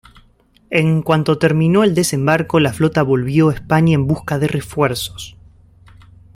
En cuanto terminó el desembarco, la flota volvió a España en busca de refuerzos.